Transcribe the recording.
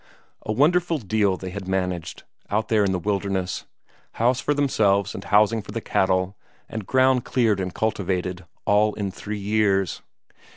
A wonderful deal they had managed, out there in the wilderness; house for themselves and housing for the cattle, and ground cleared and cultivated, all in three years.